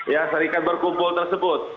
ya serikat berkumpul tersebut